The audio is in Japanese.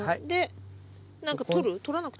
で何か取る？